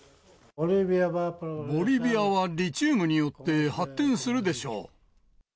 ボリビアはリチウムによって発展するでしょう。